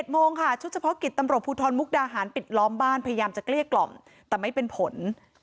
โมงค่ะชุดเฉพาะกิจตำรวจภูทรมุกดาหารปิดล้อมบ้านพยายามจะเกลี้ยกล่อมแต่ไม่เป็นผล